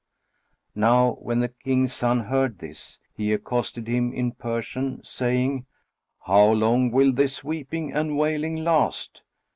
Now when the King's son heard this, he accosted him in Persian, saying, "How long will this weeping and wailing last?